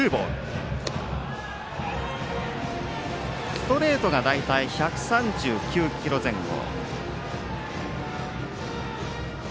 ストレートが大体、１３９キロ前後。